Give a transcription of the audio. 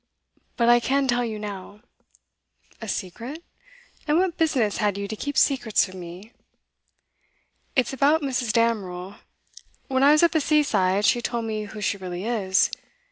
'But I can tell you now.' 'A secret? And what business had you to keep secrets from me?' 'It's about Mrs. Damerel. When I was at the seaside she told me who she really is.